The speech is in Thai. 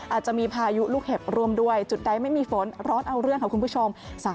อาจจะมีพายุลูกเห็บร่วมด้วยจุดใดไม่มีฝนร้อนเอาเรื่องค่ะคุณผู้ชม